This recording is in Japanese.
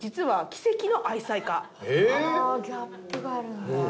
ああギャップがあるんだ。